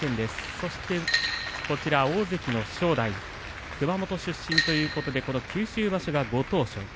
そして大関の正代熊本出身ということで九州場所が、ご当所。